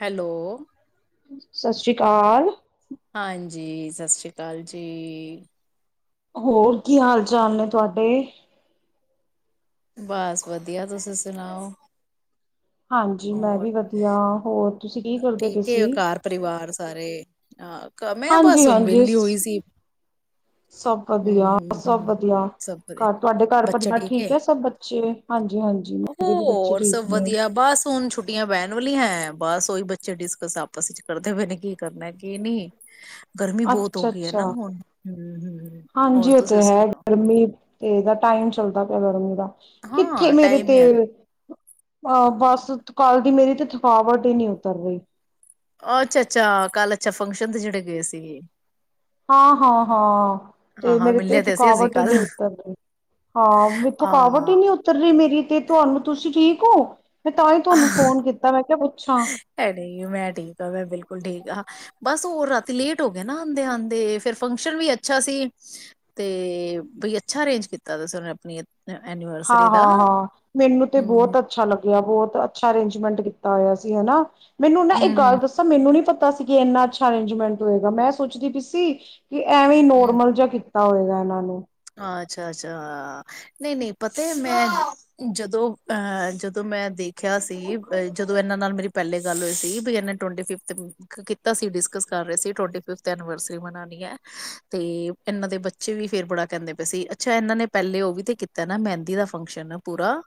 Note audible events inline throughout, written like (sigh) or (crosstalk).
Hello ਸਤਿ ਸ੍ਰੀ ਕਾਲ ਹਾਂਜੀ, ਸਤਿ ਸ੍ਰੀ ਅਕਾਲ ਜੀ। ਹੋਰ ਕੀ ਹਾਲ ਚਾਲ ਨੇ, ਤੁਹਾਡੇ? ਬਸ ਵਧੀਆ, ਤੁਸੀ ਸੁਣਾਓ। ਹਾਂਜੀ, ਮੈਂ ਹੋਰ ਵੀ ਵਧੀਆ, ਹੋਰ ਤੁਸੀਂ ਕੀ ਕਰਦੇ ਪਏ ਠੀਕ ਏ ਸੀ? ਘਰ ਪਰਿਵਾਰ ਸਾਰੇ? ਆਪ ਹਾਂਜੀ, ਹਾਂਜੀ। ਸਭ ਹਮ ਵਧੀਆ, ਹਮ ਸਭ ਹਮ ਵਧੀਆ। ਸਭ ਵਧੀਆ ਘਰ, ਤੁਹਾਡੇ ਘਰ ਪਰਿਵਾਰ ਠੀਕ ਹੈ? ਸਭ ਬੱਚੇ? ਹਾਂਜੀ, ਹਾਂਜੀ। ਮੇਰੇ ਵੀ ਬੱਚੇ ਹੋਰ ਠੀਕ ਸਭ ਨੇ। ਵਧੀਆ ਬਸ ਹੁਣ ਛੁੱਟੀਆਂ ਪੈਣ ਵਾਲੀਆਂ ਹੈ ਬਸ (unintelligible) ਕੋਈ, ਬੱਚੇ ਡਿਸਕਸ ਆਪਸ ਵਿੱਚ ਕਰਦੇ ਪਏ ਨੇ, ਕੀ ਕਰਨਾ, ਕੀ ਨਹੀਂ। ਗਰਮੀ ਬਹੁਤ ਹੋ ਅੱਛਾ, ਗਈ ਹੈ ਅੱਛਾ। ਨਾ ਹੁਣ ਹਮ ਹਮ ਹਾਂਜੀ, ਹੋਰ ਔ ਤੇ ਤੁਸੀਂ ਹੈ, ਸੁਣਾਓ ਗਰਮੀ ਤੇਦਾ ਟਾਈਮ ਚੱਲਦਾ। ਚੜ ਨੂੰ ਦਾ। ਕਿੱਥੇ, ਹਾਂ ਮੇਰੇ ਟਾਈਮ ਹੀ ਹੈ ਤੇਲ? ਅਹ, ਬਸ ਕੱਲ ਦੀ ਮੇਰੀ ਤੇ ਥਫਾਵਟ ਹੀ ਨਹੀਂ ਉਤਰ ਰਹੀ। ਔ, ਅੱਛਾ ਅੱਛਾ। ਕੱਲ, ਅੱਛਾ ਫੰਕਸ਼ਨ ਤੇ ਜਿਹੜੇ ਗਏ ਸੀ। ਹਾਂ ਹਾਂ ਹਾਂ, ਤੇ ਹਾਂ-ਹਾਂ ਮੇਰੀ ਤੇ ਮਿਲੇ ਸੀ ਅਸੀਂ ਥਕਾਵਟ ਹੀ ਕੱਲ ਨਹੀਂ ਉੱਤਰ ਰਹੀ, ਹਾਂ ਵੀ ਥਕਾਵਟ ਹੀ ਹਾਂ। ਨਹੀਂ ਉੱਤਰ ਰਹੀ ਮੇਰੀ ਤੇ, ਤੁਹਾਨੂੰ ਤੁਸੀਂ ਠੀਕ ਕੁ ਮੈਂ ਤਾਂ ਹੀ ਤੁਹਾਨੂੰ ਫੋਨ ਕੀਤਾ, ਮੈਂ ਕਿਹਾ ਪੂ ਇਹ ਨਹੀਂ, ਮੈਂ ਠੀਕ ਆਂ, ਮੈਂ ਬਿਲਕੁਲ ਠੀਕ ਆਂ। ਬਸ ਹੋਰ ਰਾਤੀ ਲੇਟ ਹੋ ਗਏ ਨਾ ਆਂਦੇ ਆਂਦੇ, ਫਿਰ ਫੰਕਸ਼ਨ ਵੀ ਅੱਛਾ ਸੀ ਤੇ ਬਈ ਅੱਛਾ ਅਰੇਂਜ ਕੀਤਾ ਸੀ ਉਹਨੇ ਆਪਣੀ ਹਾਂ ਐਨੀਵਰਸਰੀ ਦਾ। ਹਾਂ ਹਾਂ ਮੈਨੂੰ ਤੇ ਹੂੰ, ਬਹੁਤ ਅੱਛਾ ਲੱਗਿਆ ਬਹੁਤ ਅੱਛਾ ਅਰੇਂਜ ਮੈਂਟ ਕੀਤਾ ਹੋਇਆ ਸੀ, ਹੈਨਾ ਮੈਨੂੰ ਨਾ ਇਹ ਗੱਲ ਹੂੰ, ਦੱਸਾਂ ਮੈਨੂੰ ਨੀ ਪਤਾ ਪਤਾ ਸੀ ਕਿ ਇੰਨਾ ਅੱਛਾ ਅਰੇਂਜਮੈਂਟ ਹੋਏਗਾ ਮੈਂ ਸੋਚਦੀ ਪੀ ਸੀ ਕਿ ਐਵੇਂ ਨੋਰਮਲ ਜਯਾ ਕੀਤਾ ਤਾ ਹੋਏਗਾ ਇਹਨਾਂ ਨੂੰ ਅੱਛਾ ਅੱਛਾ ਨਹੀਂ ਨਹੀਂ, ਪਤਾ ਮੈਂ ਜਦੋਂ ਅਹ ਜਦੋਂ ਮੈਂ ਦੇਖਿਆ ਸੀ ਜਦੋਂ ਇਹਨਾਂ ਨਾਲ ਮੇਰੀ ਪਹਿਲੇ ਗੱਲ ਹੋਈ ਸੀ ਵੀ ਇਹਨਾਂ ਟਵਟੀ ਫਿਫਥ ਕੀਤਾ ਸੀ ਡਿਸਕਸ ਕਰ ਰਹੇ ਸੀ, ਟਵਿਫ ਐਨੀਵਰਸਰੀ ਬਨਾਣੀ ਹੈ ਤੇ ਇਹਨਾਂ ਦੇ ਬੱਚੇ ਵੀ ਫੇਰ ਬੜਾ ਕਹਿੰਦੇ ਪਏ ਸੀ ਅੱਛਾ ਇਹਨਾਂ ਨੇ ਪਹਿਲੇ ਉਹ ਵੀ ਤੇ ਕੀਤਾ ਨਾ ਮਹਿੰਦੀ ਦਾ ਫੰਕਸ਼ਨ ਪੂਰਾ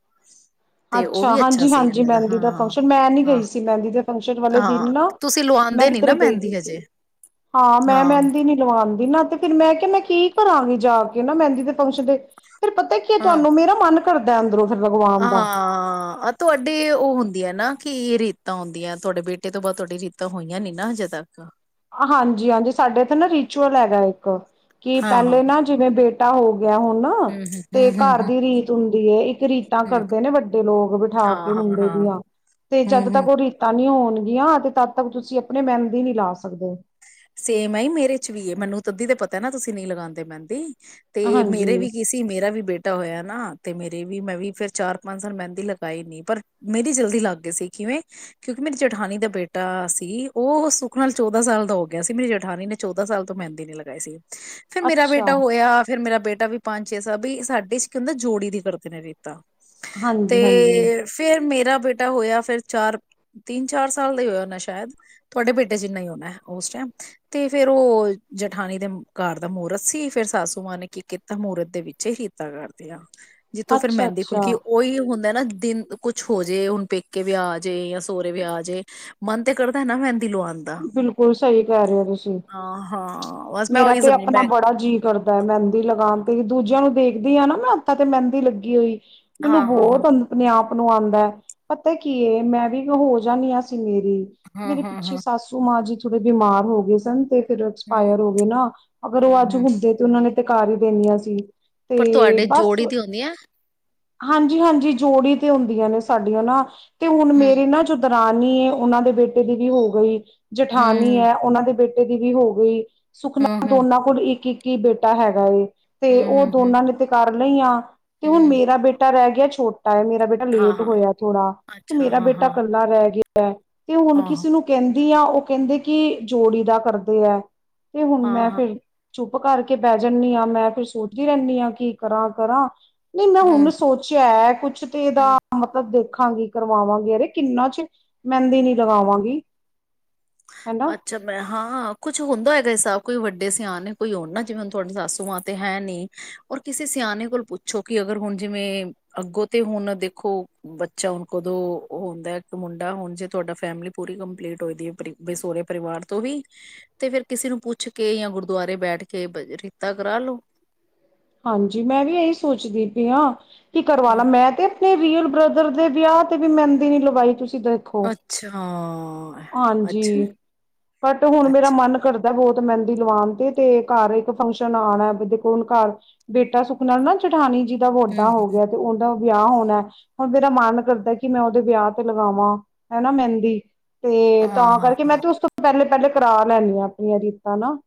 ਤੇ ਉਹ ਅੱਛਾ ਵੀ ਹਾਂਜੀ ਸੀ ਹਾਂਜੀ ਇਹਨਾਂ ਮਹਿੰਦੀ ਦਾ ਹਾਂ ਫੰਕਸ਼ਨ ਮੈਂ ਨੀ ਗਈ ਹਾਂ ਸੀ ਮਹਿੰਦੀ ਦੇ ਫੰਕਸ਼ਨ ਵਾਲੇ ਹਾਂ ਦਿਨ ਨਾ ਤੁਸੀਂ ਮੈਂ ਲਵਾਉਂਦੇ ਨੀ ਨਾ ਕਿਧਰੇ ਗਈ ਮਹਿੰਦੀ ਸੀ ਹਜੇ ਹਾਂ ਮੈਂ ਮਹਿੰਦੀ ਨੀ ਲਵਾਂਦੀ ਨਾ ਤੇ ਫੇਿਰ ਮੈਂ ਕਿਹਾ ਮੈਂ ਕੀ ਕਰਾਂਗੀ ਜਾ ਕੇ ਨਾ ਮਹਿੰਦੀ ਤੇ ਪਹੁੰਚਦੇ ਫਿਰ ਪਤਾ ਕੀ ਹਾਂ ਤੁਹਾਨੂੰ ਮੇਰਾ ਮਨ ਕਰਦਾ ਅੰਦਰੋਂ ਫ ਭਗਵਾਨ ਦਾ ਹਾਂ ਆਹ ਤੁਹਾਡੇ ਉਹ ਹੁੰਦੀ ਹੈ ਨਾ ਕਿ ਰੀਤਾਂ ਹੁੰਦੀਆਂ ਤੁਹਾਡੇ ਬੇਟੇ ਤੋਂ ਬਾਅਦ ਤੁਹਾਡੀ ਰੀਤਾਂ ਹੋਈਆਂ ਨੀ ਨਾ ਹਜੇ ਤੱਕ ਹਾਂਜੀ ਹਾਂਜੀ ਸਾਡੇ ਇਥ ਨਾ ਰਿਚੁਅਲ ਹੈਗਾ ਇੱਕ ਕਿ ਹਾਂ ਹਾਂ ਪਹਿਲੇ ਹਾਂ ਨਾ ਜਿਵੇਂ ਬੇਟੇ ਤਾਂੋ ਗਿਆ ਹੁਣ ਨਾ ਹਮ ਤੇ ਹਮ ਹਮ ਹਮ ਘਰ ਹਮ ਦੀ ਰੀਤ ਹੁੰ ਹੈ ਇੱਕ ਰੀਤਾਂ ਹਮ ਕਰਦੇ ਨੇ ਵੱਡੇ ਲੋਕ ਬਿਠਾ ਹਾਂ ਕੇ ਹਾਂ ਹਾਂ ਮੁੰਡੇ ਹਾਂ ਦੀਆਂ ਤੇ ਹਮ ਜਦ ਹਮ ਤੱਕ ਉਹ ਰੀਤਾਂ ਨੀ ਹੋਣ ੀਆਂ ਤੇ ਤਦ ਤੱਕ ਤੁਸੀਂ ਆਪਣੇ ਮੈਨ ਦੀ ਨੀ ਲਾ ਸਕ ਸਕਦੇ ਸੇਮ ਮੇਰੇ ਚ ਵੀ ਏ ਮੈਨੂੰ ਤ ਅਧੀ ਤੇ ਪਤਾ ਨਾ ਤੁਸੀਂ ਨਹੀਂੀ ਲਗਾਉਂਦੇ ਮਹਿੰਦੀ ਤੇ ਮੇਰੇ ਹਾਂਜੀ ਵੀ ਕੀ ਸੀ ਮੇਰਾ ਵੀ ਬੇਟਾ ਹੋਇਆ ਨਾ ਤੇ ਮੇਰੇ ਵੀ ਮੈਂ ਵੀ ਫਿਰ ਚਾਰ ਪੰਜ ਸਾਲ ਮਹਿੰਦੀ ਲਗਾਈ ਨ ਪਰ ਮੇਰੀ ਜਲਦੀ ਲੱਗ ਗਏ ਸੀ ਕਿਵੇਂ ਕਿਉਂਕਿ ਮੇਰੀ ਜਠਾਨੀ ਦਾ ਬੇਟਾ ਸੀ ਉਹ ਸੁੱਖ ਨਾਲ ਚੌਦਾਂ ਸਾਲ ਦਾ ਹੋ ਗਿਆ ਗਿਆ ਸੀ ਮੇਰੀ ਜੇਠਾਨੀ ਨੇ ਚੌਦਾਂ ਸਾਲ ਤੋਂ ਮਹਿੰਦੀ ਨੇ ਲਗਾਏ ਸੀ ਫਿਰ ਮੇਰਾ ਅੱਛਾ ਬੇਟਾ ਹੋਇਆ ਫੇਿਰ ਮੇਰਾ ਬੇਟਾ ਾ ਵੀ ਪੰਜ ਛੇ ਸ ਵੀ ਸਾਡੇ ਚ ਕੀ ਹੁੰਦਾ ਜੋੜੀ ਦੀ ਕਰਦੇ ਨੇ ਰੇਤਾ ਹਾਂਜੀ ਹਾਂਜੀ ਤੇ ਫਿਰ ਮੇਰਾ ਬੇਟਾ ਹੋਇਆ ਫਿਰ ਚਾਰ ਤਿੰਨ ਚਾਰ ਸਾਲ ਦਾ ਹੀ ਹੋਇਆ ਉਹਨਾ ਸ਼ਾਇਦ ਤੁਹਾਡੇ ਬੇਟੇ ਚ ਇਨਾ ਹੀ ਹੋਣਾ ਉਸ ਟਾਈਮ ਤੇ ਫੇਰ ਉਹ ਜਠਾਨੀ ਦੇ ਘਰ ਦਾ ਮੂਰਤ ਸੀ ਫਿਰ ਸਾਸੂ ਮਾਂ ਨੇ ਕੀ ਕੀਤਾ ਮੂਰਤ ਦੇ ਵਿੱਚ ਹੀ ਕੀਤਾ ਕਰਦ ਆ ਜਿੱਥੋਂ ਫੇਿਰ ਅੱਛਾ ਮਹਿੰਦੀ ਅੱਛਾ ਖੁਲਕੀ ਉਹੀ ਹੁੰਦਾ ਨਾ ਦਿਨ ਕੁਛ ਹੋ ਜੇ ਹੁਣ ਪੇਕੇ ਵਿਆਹ ਆ ਜੇ ਜਾਂ ਸਹੁਰਰੇ ਵਿਆ ਆ ਜੇ ਮਨ ਤੇ ਕਰਦਾ ਹੈ ਨਾ ਮਹਿੰਦੀ ਲਵਾਉਣ ਦਾ ਿਲਕੁਲ ਸਹੀ ਕਹਿ ਰਹੇ ਹੋ ਤੁਸੀਂ ਹਾਂ ਹਾਂ ਬਸ ਮੈਂ ਮੇਰਾ ਉਹੀ ਤੇ ਸਮਝੀ ਆਪਣਾ ਮੈਂ ਬੜਾ ਜੀਅ ਕਰਦਾ ਹੈ ਮਹਿੰਦੀ ਲਗਾਉਣ ਤੇ ਦੂਜਿਆਂ ਨੂੰ ਦੇਖਦੀ ਆਾਂ ਨਾ ਮੈਂ ਹੱਥਾਂ ਤੇ ਮਹਿੰਦੀ ਲੱਗੀ ਹੋਈ ਮੈਨੂੰ ਹਾਂ ਹਾਂ ਹਾਂ ਬਹੁਤ ਆਪਣੇ ਆਪ ਨੂੰ ਆਉਂਦਾ ਪਤਾ ਕੀ ਮੈਂ ਵੀ ਹੋ ਜਾਂਦੀ ਹਾਂ ਮੇਰੀ ਹਾਂ ਮੇਰੇ ਹਾਂ ਪਿੱਛੇ ਹਾਂ ਮਾਂ ਜੀ ਥੋੜੇ ਬਿਮਾਰ ਹੋ ਗਏ ਸਨ ਤੇ ਹਮ ਐਕਸਾਇਰ ਹੋ ਗਏ ਨਾ ਅਗਰ ਉਹ ਹਮ ਅੱਜ ਹਮ ਮੁੱਦੇ ਤੇ ਉਹ ਨੇ ਤੇ ਘ ਵੀ ਦੇਿੰਆਂ ਸੀ ਪਰ ਤੁਹਾਡੇ ਜੋੜੀ ਦੀ ਹੁੰਦੀ ਹੈ ਹਾਂਜੀ ਹਾਂਜੀ ਜੋੜੀ ਤੇ ਹੁੰਦੀਆਂ ਨੇ ਸਾਡੀਆਂ ਨਾ ਤੇ ਹੁਣ ਹਮ ਮੇਰੇ ਨਾ ਜਿੱਦਾਂ (unintelligible) ਉਹਨਾਂ ਦੇ ਬੇਟੇ ਦੀ ਵੀ ਹੋ ਗਈ ਜਠਾਨੀ ਹਮ ਹੈ ਉਹਨਾਂ ਦੇ ਬੇਟੇ ਦੀ ਵੀ ਹੋ ਗਈ ਹਮ ਸੁਖਨਾ ਹਮ ਦੋਨਾਂ ਕੋਲ ਇੱਕ ਇੱਕ ਕੀ ਬੇਟਾ ਹੈਗਾ ਏ ਤੇ ਉਹ ਹਮ ਹਮ ਹਮ ਦੋਨਾਂ ਨੇ ਤੇ ਕਾਰ (unintelligible) ਤੇ ਹੁਣ ਹਮ ਮੇਰਾ ਬੇਟਾ ਰਹਿ ਗਿਆ ਛਟੇ ਮੇਰਾ ਬੇਟਾ ਹਾਂ ਲੇਟ ਹਾਂ ਹੋਇਆ ਥੋੜਾ ਤੇ ਅੱਛਾ ਮੇਰਾ ਹਾਂ ਬੇਟਾ ਹਾਂ ਇਕੱਲਾ ਰਹਿ ਗਿਆ (unintelligible) ਤੇ ਹੁਣ ਹਾਂ ਕਿਸੇ ਨੂੰ ਕਹਿੰਦੇ ਦੀਆਂ ਉਹ ਕਹਿੰਦੇ ਕਿ ਜੋੜੀ ਦਾ ਕਰਦੇ ਹੈ ਤੇ ਹੁਣ ਹਾਂ ਮੈਂ ਹਾਂ ਫੇਿਰ ਚੁੱਪ ਕਰਕੇ ਬਹਿ ਜਾਂਦੀ ਹਾਂ ਮੈਂ ਫਿਰ ਸੋਚਦੀ ਰਹਿੰਦੀ ਹਾਂ ਕੀ ਕਰਾਂ ਕਰਾਂ ਨਹੀਂ ਮੈਂ ਹੁਣ ਹਮ ਸੋਚਿਆ ਹੈ ਕੁਛ ਤੇ ਹਮ ਇਹਦਾ ਮਤਲਬ ਦੇ ਰੱਖਾਂਗੀ ਕਰਵਾਵਾਂਗੇ ਅਰੇ ਕਿੰਨਾ ਚ ਮਹਿੰਦੀ ਨੀ ਲਗਾਵਾਂਗੀ ਹਨਾ ਅੱਛਾ ਮੈਂ ਹਾਂ ਕੁੱਛ ਹੁੰਦਾ ਹੈਗਾ ਹਿਸਾਬ ਕੋਈ ਵੱਡੇ ਸਿਆਣੇ ਕੋਈ ਹੋਣ ਨਾ ਜਿਵੇਂ ਹੁਣ ਤੁਹਾਡੂੰ ਸੱਸੂ ਮਾਂ ਤੇ ਹੈ ਨ ਔਰ ਕਿਸੇ ਸਿਆਣੇ ਕੋਲ ਪੁੱਛੋ ਕਿ ਅਗਰ ਹੁਣ ਜਿਵੇਂ ਅੱਗੋਂ ਤੇ ਹੁਣ ਦੇਖੋ ਬੱਚਾ ਹੁਣ ਕਦੋਂ ਹੁੰਦਾ ਇੱਕ ਮੁੰਡਾ ਹੁਣ ਜੇ ਤੁਹਾਡਾ ਫੈਮਿਲੀ ਪੂਰੀ ਕੰਪਲੀਟ ਹੋ ਦੀ ਹੈ ਬਈ ਸੋਹੁਰੇ ਪਰਿਵਾਰ ਤੋਂ ਵੀ ਤੇ ਫਿਰ ਕਿਸੇ ਨੂੰ ਪੁੱਛ ਕੇ ਜਾਂ ਗੁਰਦੁਆਰੇ ਬੈਠ ਕੇ ਭਜਨ ਕੀਤਾ ਕਰਾ ਲੋ ਹਾਂਜੀ ਮੈਂ ਵੀ ਇਹੀ ਸੋਚਦੀ ਪਈ ਹਾਂ ਕੀ ਕਰਵਾ ਲਾ ਮੈਂ ਤੇ ਨੀ ਰੀਅਲ ਬ੍ਰਦਰ ਦੇ ਵਿਆਹ ਤੇ ਵੀ ਮਹਿੰਦੀ ਨੀ ਲਵਾਈ ਤੁਸੀਂ ਦੇਖੋ ਅੱਛਾ ਹਾਂਜੀ ਅੱਛਾ ਬਟ ਹੁਣ ਮੇਰਾ ਅੱਛਾ ਮਨ ਕਰ ਬਹੁਤ ਮਹਿੰਦੀ ਲਵਾਉਣ ਤੇ ਤੇ ਘਰ ਇੱਕ ਫੰਕਸ਼ਨ ਆਣਾ ਵੀ ਦੇਖੋ ਹੁਣ ਘਰ ਬੇਟਾ ਸੁਖਨਾ ਨਾ ਜਠਾਨੀ ਜੀ ਦਾ ਵੱਡਾ ਹੋ ਹੂੰ ਗਿਆ ਤੇ ਉਹਦਾ ਵਿਆਹ ਹੋਣੈ ਹੁਣ ਮੇਰਾ ਮਨ ਕਰਦਾ ਕਿ ਮੈਂ ਉਹਦੇ ਵਿਆਹ ਤੇ ਲਗਾਵਾਂ ਹੈਨਾ ਮਹਿੰਦੀ ਤੇ ਤਾਂ ਹਾਂ ਹਾਂ ਕਰਕੇ ਮੈਂ ਹਾਂ ਤੇ ਉਸ ਤੋਂ ਪਹਿਲੇ ਪਹਿਲੇ ਕਰਾ ਲੈਦੀ ਹਾਂ ਆਪਣੀਆਂ ਰੀਤਾਂ ਨਾ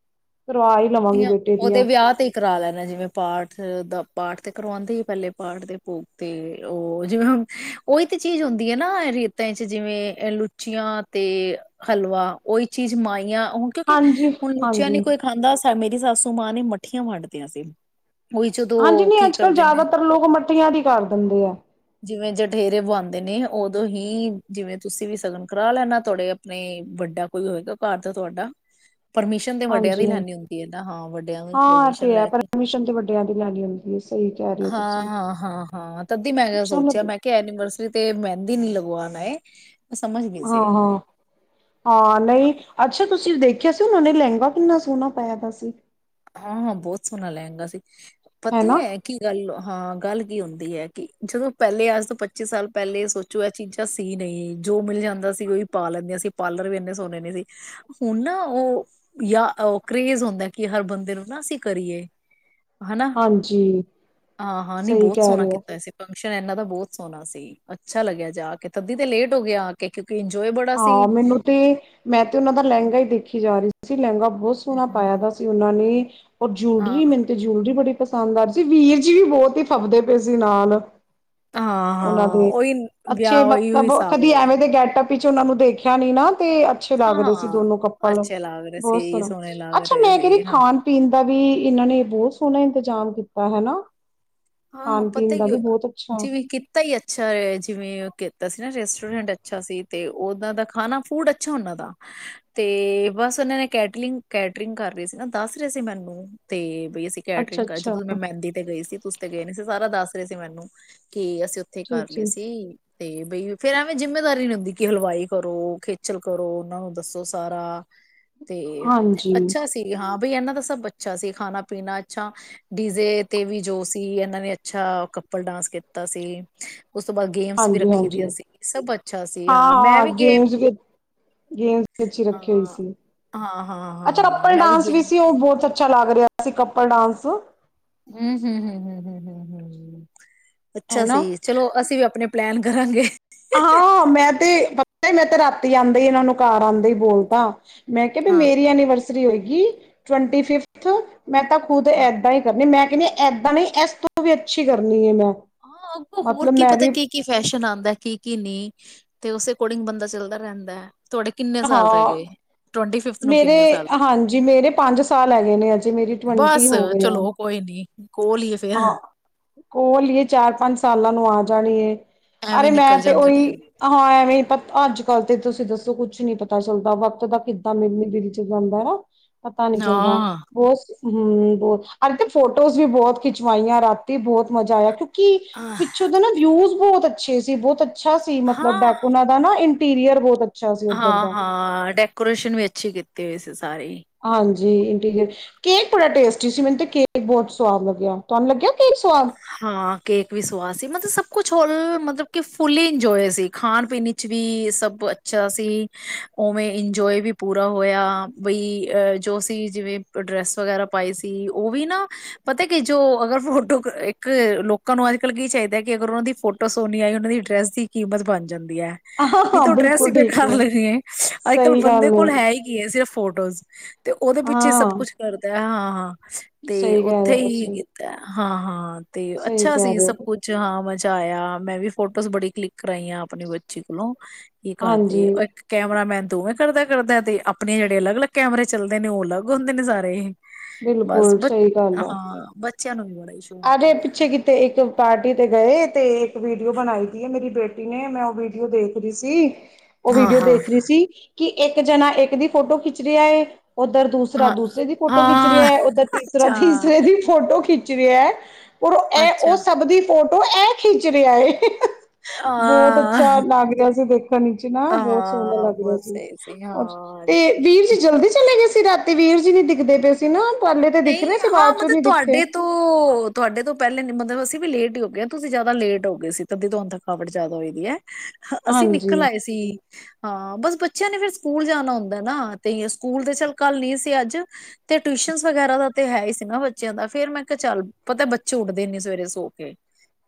ਕਰਵਾ ਹੀ ਲਵਾਂਗੀ ਬੇਟੇ ਉਹਦੇ ਦੀਆਂ ਵਿਆਹ ਤੇ ਕਰ ਲੈਣਾ ਜਿਵੇਂ ਪਾਠ ਦਾ ਪਾਠ ਤੇ ਕਰਵਾਉਂਦੇ ਹੀ ਪਹਿਲੇ ਪਾਠ ਦੇ ਭੋਗ ਤੇ ਉਹ ਜਿਵੇਂ ਹੁਣ ਉਹੀ ਤੇ ਚੀਜ਼ ਹੁੰਦੀ ਹੈ ਨਾ ਰੀਤਾਂ ਚ ਜਿਵੇਂ ਲੁਚੀਆਂ ਤੇ ਹਲਵਾ ਉਹੀ ਚੀਜ਼ ਮਾਈਆਂ ਹੁਣ ਕਿਉਂਕਿ ਹਾਂਜੀ ਹੁਣ ਲੁੱਚੀਆਂ ਨੀ ਹਾਂਜੀ ਕੋਈ ਖਾਂਦਾ ਐ ਮੇਰੀ ਸਾਸੂ ਮਾਂ ਨੇ ਮੱਠੀਆਂ ਵੰਡ ਤੀਆਂ ਸੀ। ਉਹੀ ਜਦੋਂ ਹਾਂਜੀ ਨਹੀਂ ਕੀ ਅੱਜ ਕੱਲ੍ਹ ਕਰਦੇ ਨੇ। ਜ਼ਿਆਦਾਤਰ ਲੋਕ ਮੱਠੀਆਂ ਦੀ ਕਰ ਦਿੰਦੇ ਆ ਜਿਵੇਂ ਜਠੇਰੇ ਬੁਆਦੇ ਨੇ। ਉਦੋਂ ਹੀ ਜਿਵੇਂ ਤੁਸੀਂ ਵੀ ਸ਼ਗਨ ਕਰਾ ਲੈਣਾ ਤੁਹਾਡੇ ਆਪਣੇ ਵੱਡਾ ਕੋਈ ਹੋਏਗਾ ਘਰ ਦਾ ਤੁਹਾਡਾ ਪਰਮਿਸ਼ਨ ਤੇ ਵੱਡਿਆਂ ਦੀ ਹਾਂਜੀ ਹੀ ਹਾਂ ਲੈਣੀ ਹੁੰਦੀ। ਜਿਦਾਂ ਹਾਂ ਵੱਡਿਆਂ ਦੀ ਇਹ ਪਰਮਿਸ਼ਨ ਤੇ ਹੈ ਲੈ ਕੇ, ਪਰਮਿਸ਼ਨ ਤੇ ਵੱਡਿਆਂ ਦੀ ਲੈਣੀ ਹੁੰਦੀ ਹੈ ਸਹੀ ਕਹਿ ਰਹੇ ਹੋ ਹਾਂ ਤੁਸੀਂ ਹਾਂ ਹਾਂ ਹਾਂ ਤਦੀ ਮੈਂ ਕਿ ਚਲੋ ਸੋਚਿਆ ਮੈਂ ਕਿਹਾ ਐਨੀਵਰਸਰੀ ਤੇ ਮਹਿੰਦੀ ਨੀ ਭੂਆ ਨੇ ਹਾਂ ਹਾਂ ਹਾਂ ਨਹੀਂ ਅੱਛਾ ਤੁਸੀਂ ਦੇਖ ਆ ਸੀ ਉਹਨਾਂ ਨੇ ਲਹਿੰਗਾ ਕਿੰਨਾ ਸੋਹਣਾ ਪਾਇਆ ਪਿਆ ਸੀ। ਹਾਂ ਹਾਂ ਬਹੁਤ ਸੋਹਣਾ ਲੇਹਂਗਾ ਸੀ। ਪਤਾ ਹੈਨਾ ਹੈ ਕੀ ਗੱਲ ਹਾਂ ਗੱਲ ਹੁੰਦੀ ਹੈ ਕਿ ਜਦੋਂ ਪਹਿਲੇ ਅੱਜ ਤੋਂ ਪੱਚੀ ਸਾਲ ਪਹਿਲੇ ਸੋਚੋ ਇਹ ਚੀਜ਼ਾਂ ਸੀ ਨਹੀਂ ਜੋ ਮਿਲ ਜਾਂਦਾ ਸੀ ਉਹੀ ਪਾ ਲੇਂਦੀਆਂ ਸੀ ਪਾਰਲਰ ਵੀ ਇੰਨੇ ਸੋਹਨਣੇ ਨੇ ਸੀ ਹੁਣ ਨਾ ਉਹ ਯਾ ਓ ਕਰੇਜ ਹੁੰਦਾ ਕਿ ਹਰ ਬੰਦੇ ਦਿਲੋਂ ਨਾ ਅਸੀਂ ਕਰੀਏ। ਹੈਨਾ, ਹਾਂਜੀ ਹਾਂ ਹਾਂ ਨੀ ਸਹੀ ਬਹੁਤ ਕਹਿ ਸੋਹਣਾ ਰਹੇ ਹੋ ਕੀਤਾ ਅਸੀਂ। ਫੰਕਸ਼ਨ ਇਹਨਾਂ ਦਾ ਬਹੁਤ ਸੋਹਣਾ ਸੀ ਅੱਛਾ ਲੱਗਿਆ ਜਾ ਕੇ ਤਦੀ ਤੇ ਲੇਟ ਹੋ ਗਏ ਆ ਕੇ ਇੰਜੋਏ ਬੜਾ ਸੀ ਹਾਂ ਮੈਨੂੰ ਤੇ ਮੈਂ ਤੇ ਉਹਨਾਂ ਦਾ ਲਹਿੰਗਾ ਹੀ ਦੇਖੀ ਜਾ ਰਹੀ ਸੀ। ਸੀਂ ਲਹਿੰਗਾ ਬਹੁਤ ਸੋਹਣਾ ਪਾਇਆ ਦਾ ਸੀ ਉਹਨਾਂ ਨੇ ਔ ਹਾਂ ਜੂਲਰੀ ਮੈਨੂੰ ਤੇ ਜੂਲਰੀ ਬੜੀ ਪਸੰਦ ਆ ਜੀ ਵੀਰ ਜੀ ਵੀ ਬਹੁਤ ਹੀ ਫਬਦੇ ਪਏ ਸੀ ਨਾਲ ਹਾਂ ਉਹਨਾਂ ਹਾਂ ਦੇ। ਉਹੀ ਅੱਛੇ ਵਿਆਹ ਉਹੀ ਮਤਲਬ ਹਿਸਾਬ ਕਦੀ ਲ ਐਵੇਂ ਦੇ ਗੈਟਅਪ ਵਿੱਚ ਉਹਨਾਂ ਨੂੰ ਦੇਖਿਆ ਨਹੀਂ ਨਾ ਤੇ ਅੱਛੇ ਲੱਗ ਰਹੇ ਸੀ ਹਾਂ। ਦੋਨੋ ਕੱਪਲ। ਬਹੁਤ ਸੋਹਣਾ ਅੱਛਾ ਮੈਂ ਕਹਿਦੀ ਖਾਣ ਪੀਣ ਦਾ ਵੀ ਇਹਨਾਂ ਨੇ ਬਹੁਤ ਸੋਹਣਾ ਇੰਤਜ਼ਾਮ ਕੀਤਾ ਹਨਾ। ਹਾਂ ਪਤਾ ਹੀ ਜਿਵੇਂ ਕੀਤਾ ਹੀ ਅੱਛਾ ਜਿਵੇਂ ਕੀਤਾ ਸੀ ਨਾ ਰੈਸਟੋਰੈਂਟ ਅੱਛਾ ਸੀ ਤੇ ਉਹਨਾਂ ਦਾ ਖਾਣਾ ਫੂਡ ਅੱਛਾ ਉਹਨਾਂ ਦਾ ਤੇ ਬਸ ਉਹਨਾਂ ਨੇ ਕੈਟਰਿੰਗ ਕੈਟਰਿੰਗ ਕਰ ਰਹੀ ਸੀ ਨਾ ਦੱਸ ਰਹੇ ਸੀ। ਮੈਨੂੰ ਤੇ ਪਈ ਸੀ ਅੱਛਾ ਕੈਟਰਿੰਗ ਕਰ ਅੱਛਾ ਜਦੋਂ ਮੈਂ ਮਹਿੰਦੀ ਤੇ ਗਈ ਸੀ ਤੁਸੀਂ ਸਾਰਾ ਦੱਸ ਰਹੇ ਸੀ ਮੈਨੂੰ ਕੀ ਅਸੀਂ ਉੱਥੇ ਠੀਕ ਕਰ ਲਏ ਠੀਕ ਸੀ ਤੇ ਬਈ ਫੇਰ ਐਵੇਂ ਜਿੰਮੇਦਾਰੀ ਨੀ ਹੁੰਦੀ ਕਿ ਹਲਵਾਈ ਕਰੋ ਖੇਚਲ ਕਰੋ ਉਹਨਾਂ ਨੂੰ ਦੱਸੋ ਸਾਰਾ ਤੇ ਹਾਂਜੀ ਅੱਛਾ ਸੀ ਹਾਂ ਬਈ ਇਹਨਾਂ ਦਾ ਸਭ ਅੱਛਾ ਸੀ ਖਾਣਾ ਪੀਣਾ ਅੱਛਾ ਡੀਜ਼ੇ ਤੇ ਵੀ ਜੋ ਸੀ ਇਹਨਾਂ ਨੇ ਅੱਛਾ ਕੱਪਲ ਡਾਂਸ ਕੀਤਾ ਸੀ। ਉਸ ਤੋਂ ਬਾਅਦ ਗੇਮਸ ਵੀ ਹਾਂਜੀ ਰੱਖੀ ਹਾਂਜੀ ਦੀਆਂ ਸੀ ਸਭ ਅੱਛਾ ਸੀ। ਹਾਂ ਮੈਂ ਵੀ ਗੇਮ ਗੇਮਸ ਵਿੱਚ ਹੀ ਹਾਂ ਰੱਖੀ ਹੋਈ ਸੀ ਹਾਂ ਹਾਂ ਅੱਛਾ ਹਾਂ ਮੈਂ ਵੀ ਗੇਮ ਕਲਾਸੀ ਕੱਪਲ ਡਾਂਸ ਹਮ ਹਮ ਹਮ ਹਮ ਹਮ ਹਮ ਹਮ ਅੱਛਾ ਹਨਾ ਸੀ ਚਲੋ ਅਸੀਂ ਵੀ ਆਪਣੇ ਪਲੈਨ ਕਰਾਂਗੇ ਹਾਂ ਮੈਂ ਤੇ ਮੈਂ ਤੇ ਰਾਤੀ ਆਉਂਦੇ ਹੀ ਇਹਨਾਂ ਨੂੰ ਕਾਰ ਆਉਂਦੇ ਹੀ ਬੋਲਦਾ ਮੈਂ ਕਿਹਾ ਵੀ ਹਾਂ ਮੇਰੀ ਐਨੀਵਰਸ ਹੋਏਗੀ ਟਵੰਟੀ ਫਿਫਥ ਮੈਂ ਤਾਂ ਖੁਦ ਹਾਂ ਏਦਾਂ ਹੀ ਕਰਨੀ ਮੈਂ ਕਹਿੰਦੇ ਏਦਾਂ ਨਹੀਂ ਇਸ ਤੋਂ ਵੀ ਅੱਛੀ ਕਰਨੀ ਹੈ ਮੈਂ ਹਾਂ ਅੱਗੋਂ ਹੋਰ ਮਤਲਬ ਕੀ ਮੈਂ ਪਤਾ ਵੀ ਕੀ ਕੀ ਫੈਸ਼ਨ ਆਉਂਦਾ ਕੀ ਕੀ ਨਹੀਂ ਤੇ ਉਸੇ ਅਕੋਰਡਿੰਗ ਬੰਦਾ ਚੱਲਦਾ ਰਹਿੰਦਾ ਹੈ ਤੁਹਾਡੇ ਕਿੰਨੇ ਸਾਲ ਰਹਿ ਹਾਂ ਗਏ ਟਵੰਟੀ ਫਿਫਥ ਨੂੰ ਮੇਰੇ ਕਿੰਨੇ ਸਾਲ ਰਹਿ ਗਏ ਹਾਂਜੀ ਮੇਰੇ ਪੰਜ ਸਾਲ ਹੈਗੇ ਨੇ ਅਜੇ ਮੇਰੀ ਟਵੰਟੀ ਬਸ ਹੋ ਗਏ ਆ ਚਲੋ ਕੋਈ ਨੀ ਕੋਲ ਹੀ ਫੇਿਰ ਹਾਂ ਕੋਲ ਹੀਏ ਚਾਰ ਪੰਜ ਸਾਲਾਂ ਨੂੰ ਆ ਜਾਣੀ ਐਵੇਂ ਅਰੇ ਮੈਂ ਨਿਕਲ ਤੇ ਜਾਂਦਾ ਉਹੀ ਟਾਈਮ ਹਾਂ ਐਵੇਂ ਪਤਾ ਅੱਜ ਕੱਲ ਤੇ ਤੁਸੀਂ ਦੱਸੋ ਕੁੱਝ ਕੁ ਨਹੀਂੀ ਪਤਾ ਚੱਲਦਾ ਵਕਤ ਦਾ ਕਿੱਦਾਂ ਮਿਲ ਦਿਲ ਚ ਜਾਂਦਾ ਹੈ ਪਤਾ ਨਹੀਂ ਚੱਲਦਾ ਹਾਂ ਬਹੁਤ ਹਮ ਬਹੁਤ ਅ ਤੇ ਫੋਟੋਜ਼ ਵੀ ਬਹੁਤ ਖਿਚਵਾਈਆਂ ਰਾਤੀ ਬਹੁਤ ਮਜ਼ਾ ਆਇਆ ਕਿਉ ਕਿ ਆਹ, ਪਿੱਛੋਂ ਦਾ ਨਾ ਵਿਊਜ ਬਹੁਤ ਅੱਛੇ ਸੀ ਬਹੁਤ ਅ ਅੱਛਾ ਸੀ ਮਤਲਬ ਹਾਂ ਬੈਕੂਨਾਂ ਦਾ ਨਾ ਇਟੀਰੀਅਰ ਬਹੁਤ ਅੱਛਾ ਸੀ ਉੱਧਰ ਦਾ ਹਾਂ ਹਾਂ ਡੈਕੋਰੇਸ਼ਨ ਵੀ ਅੱਛੀ ਕੀਤੀ ਹੋਈ ਸੀ ਸਾਰੇ ਜ ਇੰਅਰ ਕੇਕ ਬੜਾ ਟੇਸਟੀ ਸੀ ਮੈਨੂੰ ਤੇ ਕੇਕ ਬਹੁਤ ਸਵਾਦ ਲੱਗਿਆ ਤੁਹਾਨੂੰ ਲੱਗਿਆ ਕੇਕ ਸਵਾਦ ਹਾਂ ਕੇਕ ਵੀ ਸਵਾਦ ਸੀ ਮਤਲਬ ਸਭ ਕੁਛ ਹੋ ਮਤਲਬ ਕਿ ਫੁਲੀ ਇੰਜੋਏ ਸੀ ਖਾਣ ਪੀਣ ਚ ਵੀ ਸਭ ਅੱਛਾ ਸੀ ਉਵੇਂ ਇੰਜੋਏ ਵੀ ਪੂਰਾ ਹੋਇਆ ਬਈ ਅ ਜੋ ਸੀ ਜਿਵੇਂ ਡਰੈਸ ਵਗੈਰਾ ਪਾਈ ਸੀ ਉਹ ਵੀ ਨਾ ਪਤਾ ਕਿ ਜੋ ਅਗਰ ਫੋਟੋ ਇੱਕ ਲੋਕਾਂ ਨੂੰ ਅੱਜ ਕੱਲ੍ਹ ਕੀ ਚਾਹੀਦਾ ਹੈ ਕਿ ਅਗਰ ਉਹਨਾਂ ਦੀ ਫੋਟੋ ਸੋਨੀ ਆਏ ਉਹਨਾਂ ਦੀ ਡਰੈਸ ਦੀ ਕੀਮਤ ਬਣ ਜਾ ਜਾਂਦੀ ਹੈ ਹਾਂ ਨਹੀਂ ਹਾਂ ਤਾਂ ਉਹ ਡਰੈਸ ਹੀ ਬਿਲਕੁਲ ਪ ਠੀਕ ਕਰ ਲੈਣੀ ਹੈ ਅੱਜ ਕੱਲ੍ਹ ਸਹੀ ਬੰਦੇ ਗੱਲ ਕੋਲ ਹੈ ਹੀ ਕੀ ਹੈ ਸਿਰਫ ਫੋਟੋਜ਼ ਤੇ ਉਹਦੇ ਪਿੱਛੇ ਸਭ ਹਾਂ ਕੁਛ ਕਰਦਾ ਹੈ ਹਾਂ ਹਾਂ ਤੇ ਸਹੀ ਕਹਿ ਰਹੇ ਉੱਥੇ ਹੋ ਹੀ ਤੁਸੀਂ ਕੀਤਾ ਹਾਂ ਹਾਂ ਤੇ ਸਹੀ ਅੱਛਾ ਕਹਿ ਸੀ ਰਹੇ ਸਭ ਹੋ ਕੁੱਛ ਹਾਂ ਮ ਆਇਆ ਮੈਂ ਵੀ ਫੋਟੋਜ਼ ਬੜੀ ਕਲਿੱਕ ਕਰਾਈਆਂ ਆਪਣੀ ਬੱਚੀ ਕੋਲੋਂ ਕੀ ਕਰਦੇ ਹਾਂਜੀ ਉਹ ਇੱਕ ਕੈਮਰਾਮੈਨ ਦੋਵੇਂ ਕਰਦਾ ਕਰਦਾ ਆ ਤੇ ਆਪਣੇ ਜਿਹੜੇ ਅਲੱਗ ਅਲੱਗ ਕੈਮਰੇ ਚੱਲਦੇ ਨੇ ਉਹ ਅਲੱਗ ਹੁੰਦੇ ਨੇ ਸਾਰੇ ਬਿਲਕੁਲ ਸਹੀ ਗੱਲ ਆ ਬਚਿਆ ਨੂੰ ਵੀ ਬੜਾ ਸ਼ੌਕ ਅਰੇ ਹੈ। ਪਿੱਛੇ ਕਿਤੇ ਇੱਕ ਪਾਰਟੀ ਤੇ ਗਏ ਤੇ ਇੱਕ ਵੀਡੀਓ ਬਣਾਈ ਦੀ ਹੈ ਮੇਰੀ ਬੇਟੀ ਨੇ ਮੈਂ ਉਹ ਵੀਡੀਓ ਦੇਖ ਰਹੀ ਸੀ। ਉਹ ਹਾਂ ਵੀਡੀਓ ਹਾਂ ਦੇਖ ਰਹੀ ਸੀ ਕਿ ਇੱਕ ਜਾਣਾ ਇੱਕ ਦੀ ਫੋਟੋ ਖਿੱਚ ਰਿਹਾ ਹੈ। ਓਧਰ ਦੂਸਰਾ ਹਾਂ ਦੂਸਰੇ ਦੀ ਫੋਟੋ ਖਿੱਚ ਹਾਂ ਰਿਹਾ ਹੈ ਓਧਰ ਤੀਸਰਾ ਅੱਛਾ ਤੀਸਰੇ ਦੀ ਫੋਟੋ ਖਿੱਚ ਰਿਹਾ ਇਹ ਉਹ ਅੱਛਾ ਸਭ ਦੀ ਫੋਟੋ ਐ ਖਿੱਚ ਰਿਹਾ ਏ। ਬਹੁਤ ਹਾਂ ਅੱਛਾ ਲੱਗ ਰਿਹਾ ਸੀ ਦੇਖਣ ਵਿੱਚ ਨਾ ਬਹੁਤ ਸੋਹਣਾ ਹਾਂ ਲੱਗ ਰਿਹਾ ਬਸ ਸੀ ਇਹੀ ਔਰ ਹਾਂ ਤੇ ਵੀਰ ਜੀ ਜਲਦੀ ਚਲੇ ਗਏ ਸੀ। ਰਾਤੀ ਵੀਰ ਜੀ ਨੀ ਦਿਖਦੇ ਪਏ ਸੀ ਨਾ ਪਹਿਲੇ ਤੇ ਦਿਖ ਨਹੀਂ ਰਹੇ ਸੀ ਹਾਂ ਬਾਅਦ ਚੋਂ ਮਤਲਬ ਨੀ ਦਿਖੇ ਤੁਹਾਡੇ ਤੋਂ ਤੁਹਾਡੇ ਤੋਂ ਪਹਿਲੇ ਮਤਲਬ ਅਸੀਂ ਵੀ ਲੇਟ ਹੀ ਹੋ ਗ ਹਾਂ ਤੁਸੀਂ ਜਿਆਦਾ ਲੇਟ ਹੋ ਗਏ ਸੀ ਤਾਂਦੀ ਤੁਹਾਨੂੰ ਥਕਾਵਟ ਜ ਜ਼ਿਆਦਾ ਹੋਈ ਦੀ ਹੈ। ਅਸੀਂ ਨਿਕਲ ਹਾਂਜੀ ਆਏ ਸੀ ਹਾਂ ਬਸ ਬੱਚੇ ਆਂ ਨੇ ਫਿਰ ਸਕੂਲ ਜਾਣਾ ਹੁੰਦਾ ਨਾ ਤੇ ਸਕੂਲ ਦੇ ਚੱਲ ਕੱਲ ਨੀ ਸੀ ਅੱਜ ਤੇ ਟਿਊਸ਼ਨ ਵਗੈਰਾ ਦਾ ਤੇ ਹੈ ਹੀ ਸੀ ਨਾ ਬੱਚਿਆਂ ਦਾ ਫੇਰ ਮੈਂ ਕਿਹਾ ਚੱਲ ਪਤਾ ਬੱਚੇ ਉੱਠਦੇ ਨੀ ਸਵੇਰੇ ਸੋ ਕੇ।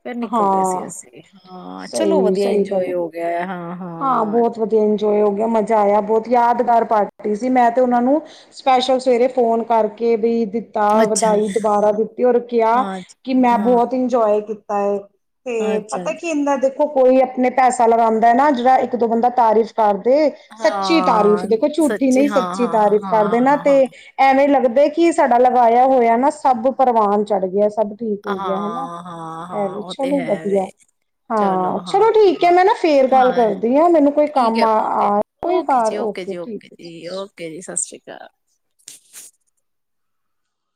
ਫਿਰ ਨਿਕਲ ਗਏ ਸੀ। ਹਾਂ ਅਸੀਂ ਹਾਂ ਚਲੋ ਸਹੀ ਵਧੀਆ ਸਹੀ ਗੱਲ ਇੰਜੋਏ ਹੈ। ਹੋ ਗਿਆ ਹਾਂ। ਹਾਂ ਬਹੁਤ ਵਧੀਆ ਇੰਜੋਏ ਹੋ ਗਿਆ ਮਜ਼ਾ ਆਇਆ ਬਹੁਤ ਯਾਦਗਾਰ ਪਾਰਟੀ ਸੀ ਮੈਂ ਤੇ ਉਹ ਨੂੰ ਸਪੈਸ਼ਲ ਸਵੇਰੇ ਫੋਨ ਕਰਕੇ ਵੀ ਦਿੱਤਾ ਅੱਛਾ ਵਧਾਈ ਦੁਬਾਰਾ ਦਿੱਤੀ ਔਰ ਕਿਹਾ ਹਾਂ ਕਿ ਮੈਂ ਹਾਂ ਬਹੁਤ ਇੰਜੋਏ ਕੀਤਾ। ਤਾਂ ਤੇ ਅੱਛਾ ਪਤਾ ਕੀ ਹੁੰਦਾ ਦੇ ਕੋਈ ਆਪਣੇ ਪੈਸਾ ਲਗਾਦਾ ਨਾ ਇੱਕ ਦੋ ਬੰਦਾ ਤਾਰੀਫ਼ ਕਰ ਦੇ ਸੱਚੀ ਤਾਰੀਫ਼ ਹਾਂ ਦੇਖੋ ਝੂਠੀ ਨਹੀਂ ਹਾਂ ਸੱਚੀ ਹਾਂ ਤਾਰੀਫ਼ ਹਾਂ ਕਰਦੇ ਨਾ ਹਾਂ ਤੇ ਹਾਂ ਐਵੇਂ ਲੱਗਦਾ ਕੀ ਸਾਡਾ ਲਗਾਇਆ ਹੋਇਆ ਨਾ ਸਭ ਪ੍ਰਵਾਨ ਚੜ੍ਹ ਗਿਆ। ਸਭ ਠੀਕ ਹਾਂ ਹੋ ਗਿਆ ਹਨਾ ਹਾਂ ਹਾਂ ਇਹ ਹਾਂ ਵੀ ਉਹ ਤੇ ਚਲੋ ਹੈ ਵਧੀਆ ਵੇ ਹਾਂ ਚਲੋ ਠੀਕ ਹੈ ਮੈਂ ਨਾ ਫੇਰ ਹਾਂ ਗੱਲ ਹਾਂ, ਕਰਦੀ ਆ ਮੈਨੂੰ ਕੋਈ ਠੀਕ ਕੰਮ ਹੈ ਆ ਆ ਓਕੇ ਜੀ ਕੋਈ ਓਕੇ ਬਾਰ ਜੀ ਓਕੇ ਜੀ ਠੀਕ ਹੈ ਜੀ। ਓਕੇ (unintelligible)